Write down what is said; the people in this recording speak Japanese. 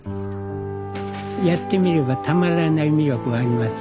やってみればたまらない魅力あります